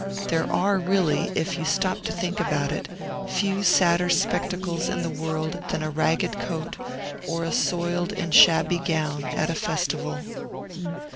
There are really, if you stop to think about it, few sadder spectacles in the world than a ragged coat, or a soiled and shabby gown, at a festival.